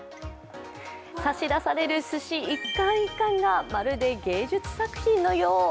差し出されるすし１貫１貫が、まるで芸術作品のよう。